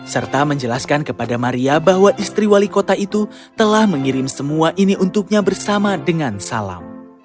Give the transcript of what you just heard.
serta menjelaskan kepada maria bahwa istri wali kota itu telah mengirim semua ini untuknya bersama dengan salam